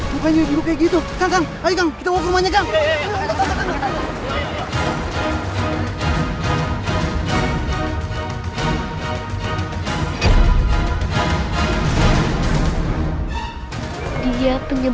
jangan lupa like share dan subscribe ya